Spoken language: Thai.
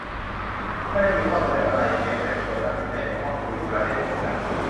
ไม่ได้มีข้อเสนออะไร เพียงแค่ชวนนักวิจัยในห้องคุยประเด็นพวกนั้น